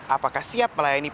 apakah siap melayani penumpang